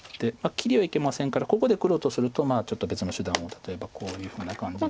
切りはいけませんからここで黒とするとちょっと別の手段を例えばこういうふうな感じで。